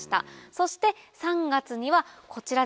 そして３月にはこちらですね。